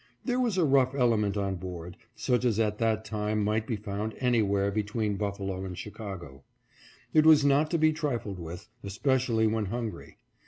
There was a rough element on board, such as at that time might be found anywhere between Buffalo and Chicago. It was not to be trifled with, especially when hungry.